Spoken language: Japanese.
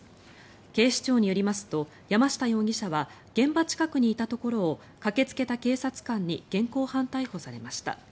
警視庁によりますと山下容疑者は現場近くにいたところを駆けつけた警察官に現行犯逮捕されました。